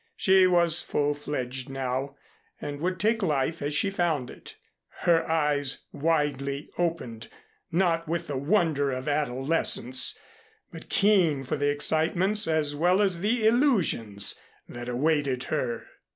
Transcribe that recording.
She was full fledged now and would take life as she found it, her eyes widely opened, not with the wonder of adolescence, but keen for the excitements as well as the illusions that awaited her.